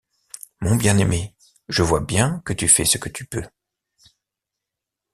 Mon bien-aimé, je vois bien que tu fais ce que tu peux.